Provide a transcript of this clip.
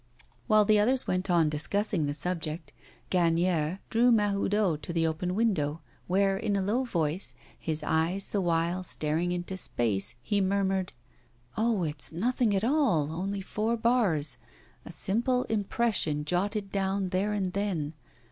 While the others went on discussing the subject, Gagnière drew Mahoudeau to the open window, where, in a low voice, his eyes the while staring into space, he murmured: 'Oh, it's nothing at all, only four bars; a simple impression jotted down there and then.